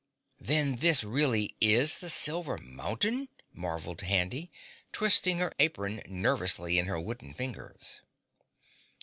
"Then this really IS the Silver Mountain!" marveled Handy, twisting her apron nervously in her wooden fingers.